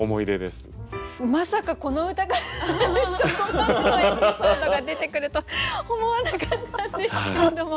まさかこの歌からそこまでのエピソードが出てくるとは思わなかったんですけれども。